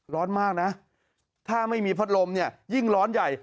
ร้อนมากนะถ้าไม่มีพัดลมเนี่ยยิ่งร้อนใหญ่